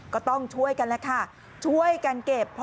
ก็ต้องช่วยกันแล้วค่ะช่วยกันเก็บ